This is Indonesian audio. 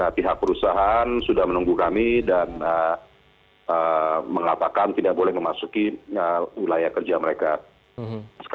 pihak perusahaan sudah menunggu kami dan mengatakan tidak boleh memasuki wilayah kerja mereka